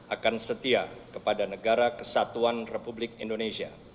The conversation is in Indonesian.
akan setia kepada negara kesatuan republik indonesia